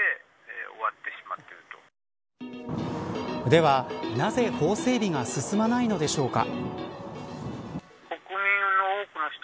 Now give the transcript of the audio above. では、なぜ法整備が進まないのでしょうか。